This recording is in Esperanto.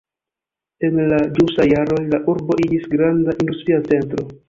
En la ĵusaj jaroj la urbo iĝis granda industria centro.